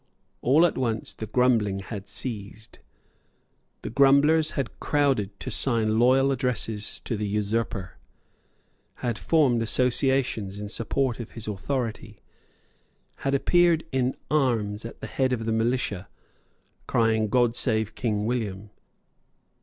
All at once the grumbling had ceased, the grumblers had crowded to sign loyal addresses to the usurper, had formed associations in support of his authority, had appeared in arms at the head of the militia, crying God save King William.